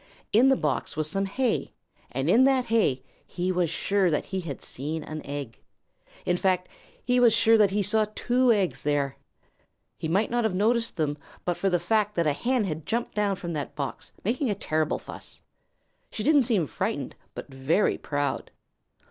In the box was some hay and in that hay he was sure that he had seen an egg. In fact, he was sure that he saw two eggs there. He might not have noticed them but for the fact that a hen had jumped down from that box, making a terrible fuss. She didn't seem frightened, but very proud.